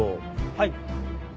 はい。